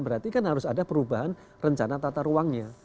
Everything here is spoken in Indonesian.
berarti kan harus ada perubahan rencana tata ruangnya